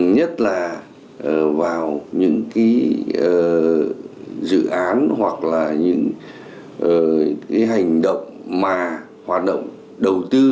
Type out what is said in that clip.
nhất là vào những cái dự án hoặc là những cái hành động mà hoạt động đầu tư